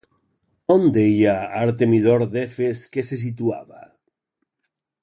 On deia Artemidor d'Efes que se situava?